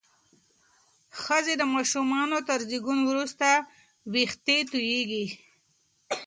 ښځې د ماشومانو تر زیږون وروسته وېښتې تویېږي.